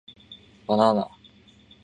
Banana